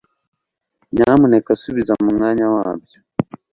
nyamuneka subiza mu mwanya wabyo